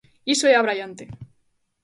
"Iso é abraiante".